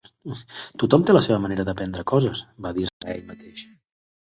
"Tothom té la seva manera d'aprendre coses", va dir-se a ell mateix.